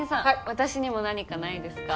私にも何かないですか？